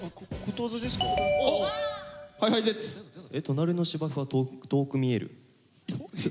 隣の芝生は遠く見える。